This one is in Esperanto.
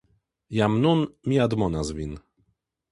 Jam nun mi admonas vin.